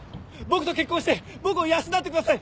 僕と結婚して僕を養ってください。